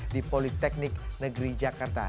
di politeknik negeri jakarta